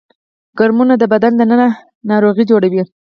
کرمونه د بدن دننه ناروغي جوړوي